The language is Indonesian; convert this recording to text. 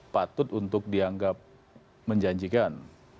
patut untuk dianggap menjanjikan